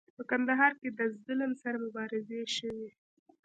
په کندهار کې د ظلم سره مبارزې شوي.